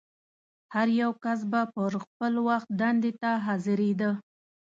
هر یو کس به پر خپل وخت دندې ته حاضرېده.